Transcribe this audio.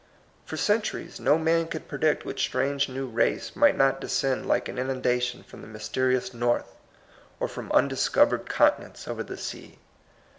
For centuries no man could predict what strange new race might not descend like an inundation from the mysterious North, or from undiscovered continents over the sea.